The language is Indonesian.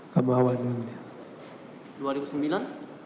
gamawan yang mulia